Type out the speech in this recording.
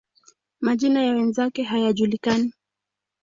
Majina ya wenzake hayajulikani.